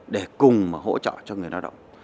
để cùng mà hỗ trợ cho người lao động